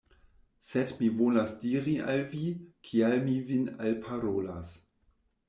Sed mi volas diri al vi, kial mi vin alparolas.